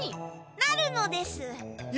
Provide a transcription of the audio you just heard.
なるのです。え？